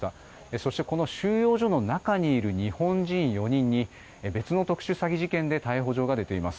そしてこの収容所の中にいる日本人４人に別の特殊詐欺事件で逮捕状が出ています。